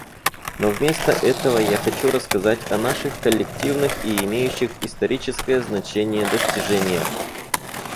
Но вместо этого я хочу рассказать о наших коллективных и имеющих историческое значение достижениях.